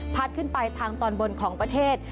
ขึ้นไปทางตอนบนของประเทศ